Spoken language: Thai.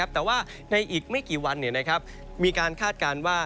แต่ว่าในอีกไม่กี่วันมีการคาดการณ์ว่า